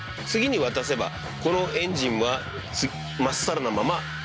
次に渡せばこのエンジンはまっさらなまま。